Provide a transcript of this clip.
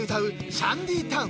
シャンディタウン！